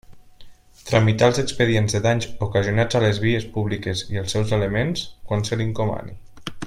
Tramitar els expedients de danys ocasionats a les vies públiques i els seus elements, quan se li encomani.